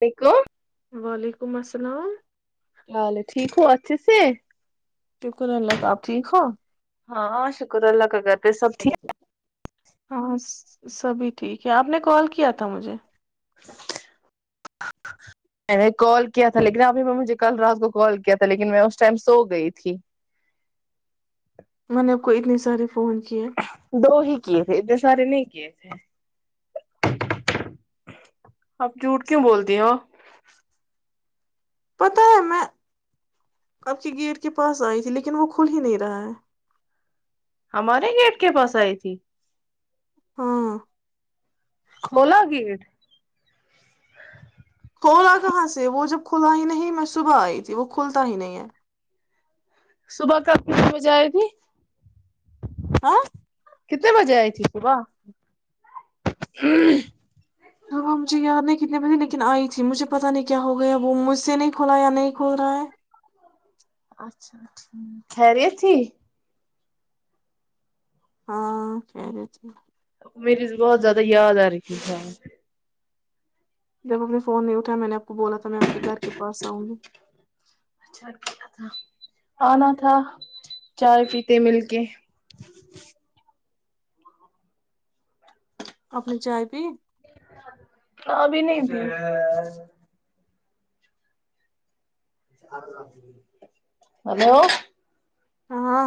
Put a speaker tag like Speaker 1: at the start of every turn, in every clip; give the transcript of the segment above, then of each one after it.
Speaker 1: Week
Speaker 2: وعلیکم السلام
Speaker 1: تے ٹھیک ہو اچ سے
Speaker 2: شکر اللہ کا آپ ٹھیک ہو
Speaker 1: ہاں شکر اللہ ککت تو سب ٹھیک ہے
Speaker 2: ہاں سبھی ٹھیک ہے آپ نے کال کیا تھا مجھے
Speaker 1: میں نے کال کیا تھا لیکن ابھی میں مجھے کل رات کو کال کیا تھا لیکن میں اس ٹائم سو گئی تھی
Speaker 2: میں نے آپ کو اتنی ساری
Speaker 1: دو ہی کیے تھے ادے سارے نہیں اپ جھوٹ کیوں بولتی ہو ہو
Speaker 2: پتہ ہے میں اب کے گیٹ کے پاس آئی تھی لیکن وہ کھل ہی نہیں رہا ہے
Speaker 1: ہمارے گیٹ کے پاس آئی تھی
Speaker 2: ہاں
Speaker 1: بلا گیر
Speaker 2: کھلاا کہاں سے وہ جب کھلا ہی نہیں میں صبح آئی تھی وہ کھلتا ہی نہیں ہے
Speaker 1: صبح کب کت بجے آئے گی
Speaker 2: ہاں
Speaker 1: کتنے بجے آئی ت صبح
Speaker 2: اب مجھے یاد نہیں کتنے بجے لیکن آئی تھی مجھے پتہ نہیں کیا ہو گیا وہ مجھ سے نہیں کھولا یا نہیں کھول رہا ہے
Speaker 1: اچھاچ خہریی تھی
Speaker 2: ہاں خرے تھ
Speaker 1: میری سے بہت زیادہ یاد آ رہیھی تھا
Speaker 2: جب اپنے فون نہیں اٹھا میں نے آپ کو بولا تھا میں آپ کے گھر کے پاس آؤں گی
Speaker 1: اا کیا تھا آنا تھا چائے پیتے مل کے
Speaker 2: اپنی چائے پی
Speaker 1: ہاںبھی نہیں تھی ہلو
Speaker 2: ہاں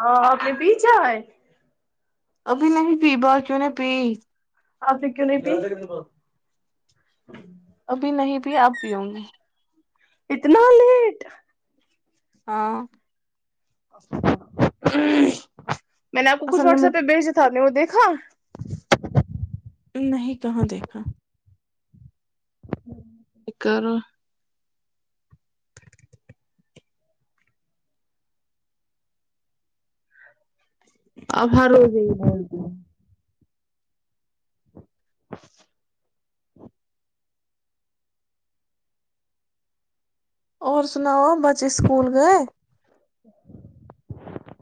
Speaker 1: ہ اپنے پیچھا ہے
Speaker 2: ابھی نہیں پی بات کیوں نے پی
Speaker 1: آ پ کیوں نہیں پ
Speaker 2: ابھی نہیں بھی آپ بھی ہوں گی
Speaker 1: اتنا لیٹ
Speaker 2: ہاں
Speaker 1: ہ میں نےپ کو کھ
Speaker 2: اصل میں
Speaker 1: واٹسپ پہ بھیج دی تھاب نے وہ کھا
Speaker 2: نہیں کہاں دیکھا
Speaker 1: کرو آبار ہو ج
Speaker 2: اور سناؤ بچے سکول گئے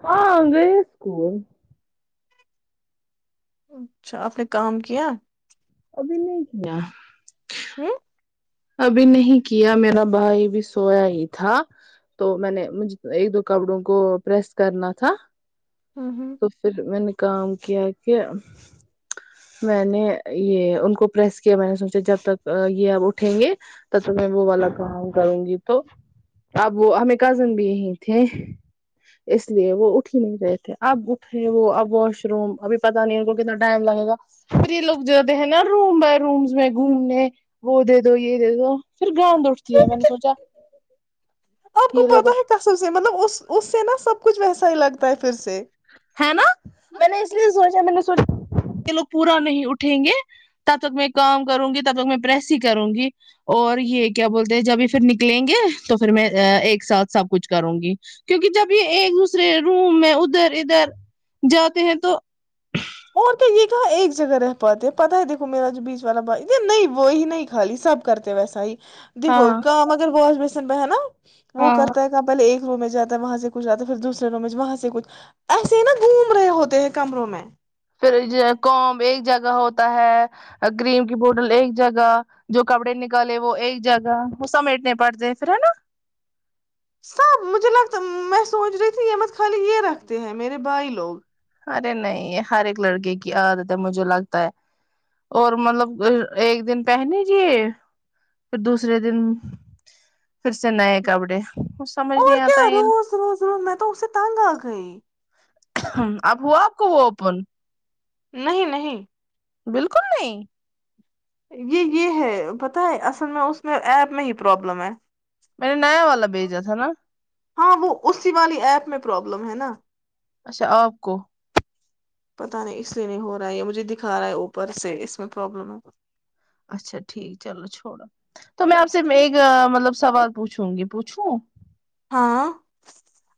Speaker 1: ہاںگے اسکول
Speaker 2: اچھا آپ نے کام کیا
Speaker 1: ابھی نہیں کیا
Speaker 2: ہوں
Speaker 1: ابھی نہیں کیا میرا بھائی بھی سویا ہی تھا تو میں نے مجھ ایک دو کپڑوں کو پریس کرنا تھا
Speaker 2: ہوں ہوں
Speaker 1: تو پھر م نے کام کیا کہ میں نے یہ ان کو پریس کیا میں نے سوچا جب تک یہ اب اٹھ اھیں گے تو میں وہ والا کام کروں گی تو اب وہ ہمیں کزن بھی یہ تھے اس لیے وہ اٹھی نہیں رہے تھے اب اٹھے وہ اب واش روم ابھی پت نہیں ان کو کتنا ٹائم لگے گا پھر یہ لوگ جے ہیں نا روم بائی روم میں گھومنے وہ دو یہ دے دو پھر گاند اٹھتی ہے میں نے سوچا
Speaker 2: آپ کو
Speaker 1: یہ لوگ
Speaker 2: پتا ہے کسب سے مطلب اس اس سے نا سب کچھ ویسا ہی لگتا ہے پھر سے
Speaker 1: ہے نا میں نے اس لیے سوچ میں نے سوچ لوگ پورا نہیں اٹھیں گے تب تک میں کام کروں گی تب تک میں پریس ہی کروں گی اور یہ کیا بولتے ہیں جب یہ پھر نکلیں گے تو پھر میں ایک ساتھ سب کچھ کروں گی کیونکہ جب یہ ایک دوسرے روم میں ادھر ادھر جاتے ہیں تو
Speaker 2: اور کیا یہ کہا ایک جگہ رہ پاتے پتاہ ہے دیکھو میرا جو بیچ والا بھائی یہ نہیں وہی نہیں خالی سب کرتے ویسا ہی دیکو
Speaker 1: ہاں
Speaker 2: کام اگر بہت میں س ب ہے نا وہ
Speaker 1: ہاں
Speaker 2: کرتا ہے کہ پل ایک ر میں جاتا ہے وہاں سے کچھ جاتا ہے پھر دوسرے ر میں وہاں سے کچھ ایسے ہی نا گھوم رہے ہوتے ہیں کمروں میں
Speaker 1: پھر کومب ایک جگہ ہوتا ہے کریم کی بوٹل ایک جگہ جو کپڑے نکالے وہ ایک جگہ وہ سمیٹنے پڑتے ہیں پھر ہے نا
Speaker 2: سب مجھے لگتا میں سوچ رہی تھی یہ مت خالی یہ رکھتے ہیں میرے بھائی لوگ
Speaker 1: ارے نہیں ہر ایک لڑکے کی عادت ہے مجھے لگتا ہے اور مطلب ایک دن پہنیجے پھر دوسرے دن پھر سے نئے کپڑے سمجھ نہیں
Speaker 2: اور کیا
Speaker 1: آتا ہے یہ۔
Speaker 2: روز روز روز میں تو اسے تنگ آ گئی
Speaker 1: ہاں اب ہوا آپ کو وہ اوپن
Speaker 2: نہیں نہیں
Speaker 1: بالکل نہیں
Speaker 2: یہ یہ ہے پت ہے اصل میں اس میں ایپ میں ہی پرابلم ہے
Speaker 1: میں نے نیا والا بھیجا تھا نا
Speaker 2: ہاں وہ اسی والی ایپ میں پروابلم پرلم ہے نا
Speaker 1: اچھا آپ کو
Speaker 2: یا مجھے دکھا رہا ہے اوپر سے اس میں پرابلم ہو
Speaker 1: اچھا ٹھیک چلو چھوڑو تو میں آپ سے ایک مطلب سوال پوچھوں گی پوچھوں
Speaker 2: ہاں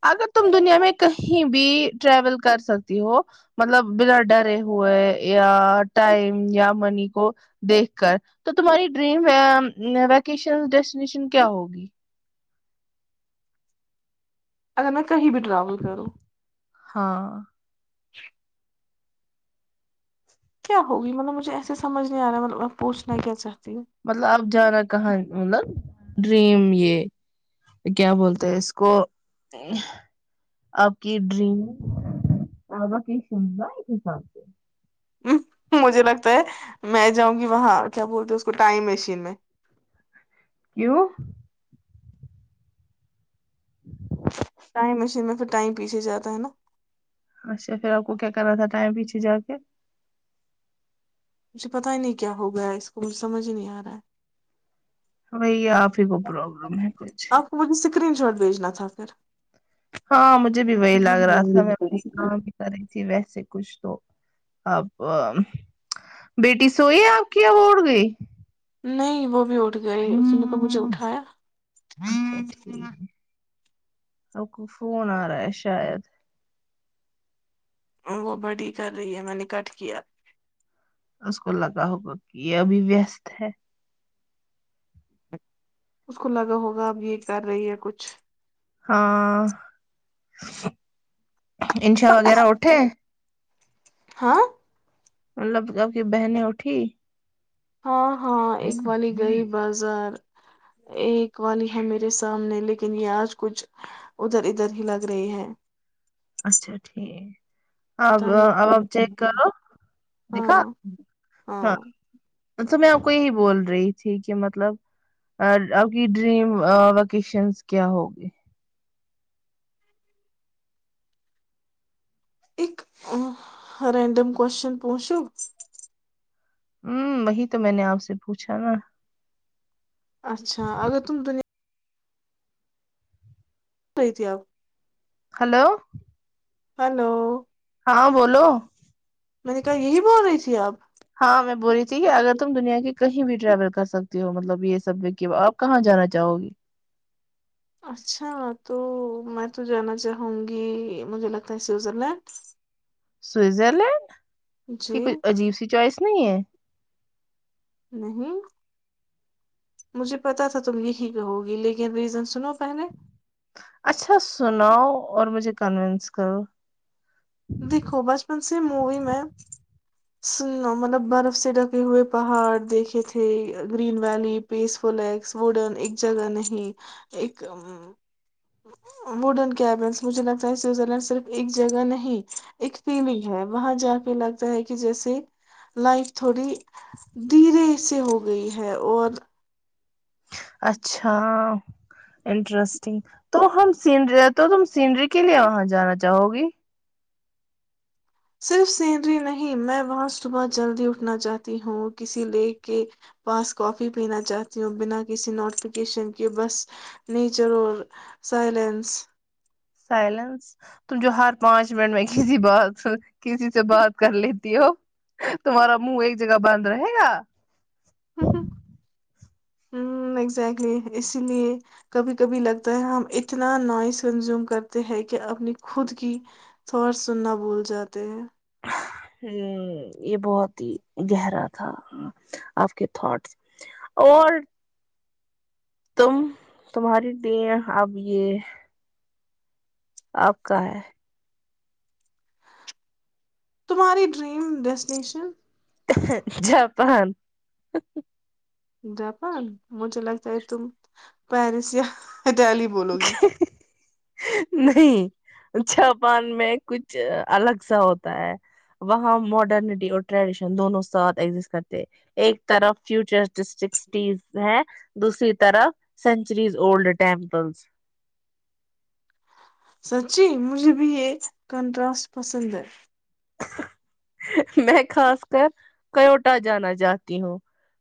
Speaker 1: اگر تم دنیا میں کہیں بھی ٹریول کر سکتی ہو مطلب بنا ڈرے ہوئے یا ٹائم یا منی کو دیکھ کر تو تمہاری ڈریم ویکیشن ڈیسٹینیشن کیا ہوگی
Speaker 2: اگر م کہیں بھی ٹرول کرو خالی اوج عا رہی
Speaker 1: ہاں
Speaker 2: ہے کیا ہوگی مطلب مجھے ایسے سمجھ نہیں آ رہا مطلب پوچھنا کیا چاہتی ہوں
Speaker 1: مطلب آپ کا جانا کہاں مطلب ڈریم یہ کیا بولتے ہیں اس کو آپ کی ڈریم مطلب
Speaker 2: مجھے لگتا ہے میں جاؤں گی وہاں کیا بولتے اس کو ٹائم مشین میں
Speaker 1: کیوں
Speaker 2: ٹائم مشین میں پھر ٹائم پیچھے جاتا ہے نا
Speaker 1: اچھا پھر آپ کو کیا کرنا تھا ٹائم پیچھے جا کے
Speaker 2: مجھے پتا ہی نہیں کیا ہوگیا اس کو مجھے سمجھ نہیں آ رہا ہے
Speaker 1: بھائی آپ ہی کو پروبلم ہے کچھ
Speaker 2: آپ کو مجھے اسکرین شارٹ بھیجنا تھا پھر
Speaker 1: ہاں مجھے بھی وہی لگ رہا تھا میں اپ کام بھی کر رہی تھی ویسے کچھ تو اب بیٹی سوئی آپ کی اب اٹھ گئی
Speaker 2: نہیں وہ بھی اٹھ گئے اس کو مجھے اٹھایا
Speaker 1: اچھا ٹھیک ہم کو فون آ رہا ہے شاید
Speaker 2: وہ بڑی کر رہی ہے میں نے کٹ کیا
Speaker 1: اس کو لگا ہوگا کہ یہ ابھی ویست ہے
Speaker 2: اس کو لگا ہوگا اب یہ کر رہی ہے کچھ
Speaker 1: ہاں انشا وغیرہ اٹھے
Speaker 2: ہاں
Speaker 1: مطلب آپ کی بہنیں اٹھی
Speaker 2: ہاں ہاں ایک وانی گئی بازار ایک وانی ہےمیرے سامنے لیکن یہ آج کچھ ادھر ادھر ہی لگ رہی ہے
Speaker 1: جی
Speaker 2: پتا نہیں کہ
Speaker 1: دیکھا
Speaker 2: ہاں ہاں
Speaker 1: تو میں آپ کو یہی بول رہی تھی کہ مطلب آپ کی ڈریم وکیشنس کیا ہوگی
Speaker 2: ایک رینڈم کوشچن پونچو
Speaker 1: ہوں وہی تو میں نے آپ سے پوچھا نا
Speaker 2: اچھا اگر تم دنیا رہی تھی آپ
Speaker 1: ہلو
Speaker 2: ہلو
Speaker 1: ہاں بولو
Speaker 2: میں نے کہا یہی بول رہی تھی آپ
Speaker 1: ہاں میں بول رہی تھی کہ اگر تم دنیا کے کہیں بھی ٹریول کر سکتی ہو مطلب یہ سب آپ کہاں جانا چاہو گی
Speaker 2: اچھا تو میں تو جانا چاہوں گی مجھے لگتا ہے سوئزر لینڈ
Speaker 1: سوئزرلینڈ یہ
Speaker 2: جی
Speaker 1: کوئی عجیب سی چوائس نہیں ہے
Speaker 2: نہیں مجھے پتا تھا تم یہی کہو گی لیکن ریزن سنو پہلے
Speaker 1: اچھا سناؤ اور مجھے قانون سکھاؤ
Speaker 2: دیکھو بچپن سے مووی میں مطلب برف سے ڈکے ہوئے پہاڑ دیکھے تھے گرین ویلی پیس فلس ووڈن ایک جگہ نہیں ایک ووڈن کیلس مجھے لگتا ہے سویزرلینڈ صرف ایک جگہ نہیں ایک فیلنگ ہے وہاں جا کے لگتا ہے کہ جیسے لائف تھوڑی دھیرے سے ہو گئی ہے اور
Speaker 1: اچھا انٹرسٹنگ تو ہم سینری تو تم سینری کے لیے وہاں جانا چاہو گی
Speaker 2: صرف سینری نہیں میں وہاں صبح جلدی اٹھنا چاہتی ہوں کسی لیک کے پاس کافی پینا چاہتی ہوں بنا کسی نوٹیفکیشن کے بس نیچر اور سائلینس
Speaker 1: سائلینس تم جو ہر پانچ منٹ میں کسی بات کسی سے بات کر لیتی ہو تمہارا منہ ایک جگہ بند رہے گا
Speaker 2: اگزیکٹلی اسی لیے کبھی کبھی لگتا ہے ہم اتنا نوائز کنزیوم کرتے ہیں کہ اپنی خود کی تھات سننا بھول جاتے ہیں
Speaker 1: یہ بہت ہی گہرا تھا آپ کے تھاٹس اور تم تمہاری دین اب یہ آپ کا ہے
Speaker 2: تمہاری ڈریم ڈیسٹینیشن
Speaker 1: جاپان
Speaker 2: جاپان مجھے لگتا ہے تم پیرس یا ہتیالی بولو گی
Speaker 1: نہیں جاپان میں کچھ الگ سا ہوتا ہے وہاں ماڈرنٹی اور ٹریڈیشن دونوں ساتھ ایزسٹ کرتے ایک طرف فوچرز ہے دوسری طرف سینچریز اڈ ٹیمل تنز
Speaker 2: سچی مجھے بھی یہ کنٹراسٹ پسند ہے
Speaker 1: میں خاص کر کووٹا جانا چاہتی ہوں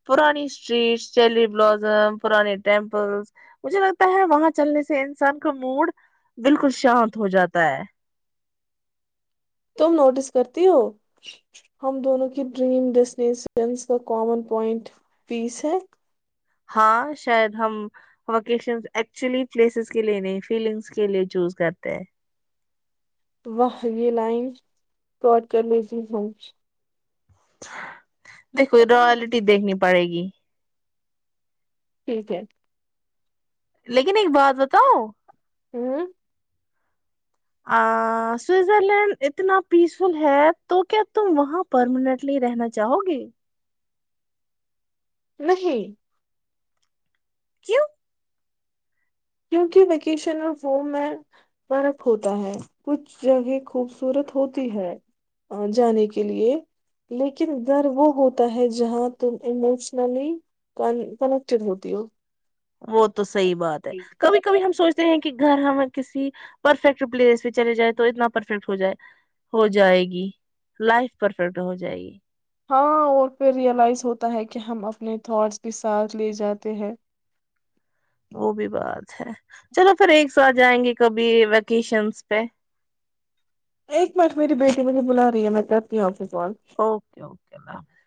Speaker 1: پرانی اسٹریٹ چیری بلازم پرانے ٹیمپل مجھے لگتا ہے وہاں چلنے سے انسان کا موڈ بالکل شانت ہو جاتا ہے
Speaker 2: تم نوٹس کرتی ہو ہم دونوں کی ڈریم ڈیسٹینیشنس کا کامن پوائنٹ پیس ہے
Speaker 1: ہاں شاید ہم ووکیشن ایکچولی پلیسز کے لیے نہیں فیلنگس کے لیے چوز کرتے ہیں
Speaker 2: تو وہاں یہ لائن کاٹ کر لیتیی ہوں
Speaker 1: دیکھو روائلٹی دیکھنی پڑے گی
Speaker 2: ٹھیک ہے
Speaker 1: لیکن ایک بات بتاؤ
Speaker 2: ہوں
Speaker 1: سوئزرلینڈ اتنا پیس فل ہے تو کیا تم وہاں پرماننٹلی رہنا چاہو گے
Speaker 2: نہیں
Speaker 1: کیوں
Speaker 2: کیونکہ ویکیشن آف ہوم میں فرق ہوتا ہے کچھ جگہ خوبصورت ہوتی ہے جانے کے لیے لیکن ڈر وہ ہوتا ہے جہاں تم ایموشنلی کنیکٹیڈ ہوتی ہو
Speaker 1: وہ تو صحی بات ہے کبھی کبھی ہم سوچتے ہیں کہ گھر ہمیں کسی پرفیکٹ پلیس پہ چلے جائے تو اتنا پرفیکٹ ہو جائے ہو جائے گی لائف پرفیکٹ ہو جائے گی
Speaker 2: ہاں اور پہ ریئلائز ہوتا ہے کہ ہم اپنے تھٹس کے ساتھ لے جاتے ہیں
Speaker 1: وہ بھی بات ہے چلو پھر ایک سو آ جائیں گے کبھی ویکیشنس پہ
Speaker 2: ایک منٹ میری بیٹی مجھے بلا رہی ہے میں کہتی ہوں اب
Speaker 1: اوکے اوکے اللہ حافظ